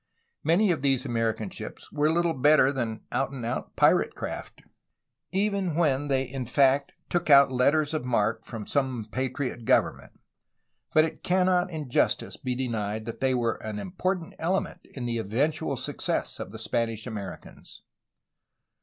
Many of these American ships were little better than out and out pirate craft, even when they in fact took out letters of marque from some patriot government, but it cannot in justice be denied that they were an important element in the eventual success of the Spanish Americans.